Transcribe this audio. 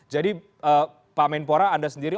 pak menpora anda sendiri